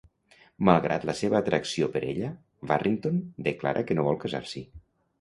Malgrat la seva atracció per ella, Warrington declara que no vol casar-s'hi.